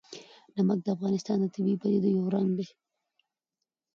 نمک د افغانستان د طبیعي پدیدو یو رنګ دی.